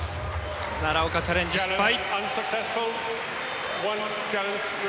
奈良岡、チャレンジ失敗。